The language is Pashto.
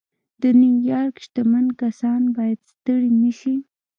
د نيويارک شتمن کسان بايد ستړي نه شي.